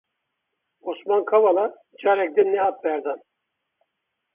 Osman Kavala careke din nehat berdan.